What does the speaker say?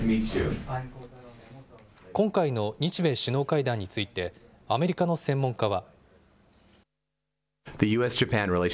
今回の日米首脳会談についてアメリカの専門家は。